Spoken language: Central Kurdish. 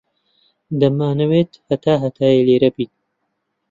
دەمانەوێت هەتا هەتایە لێرە بین.